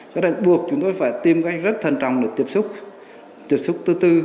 cho nên buộc chúng tôi phải tìm cách rất thân trọng để tiếp xúc tiếp xúc tư tư